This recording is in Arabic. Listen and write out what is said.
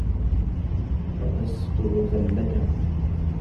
وَتَسْتُرَ زَلَّتَهُمْ